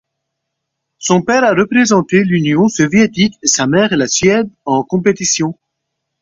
Son père a représenté l'Union soviétique et sa mère la Suède en compétition.